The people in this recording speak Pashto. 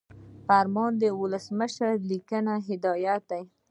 فرمان د ولسمشر لیکلی هدایت دی.